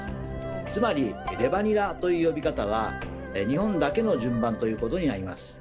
つまり「レバニラ」という呼び方は日本だけの順番ということになります。